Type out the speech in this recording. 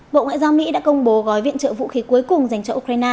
bộ ngoại giao mỹ đã công bố gói viện trợ vũ khí cuối cùng dành cho ukraine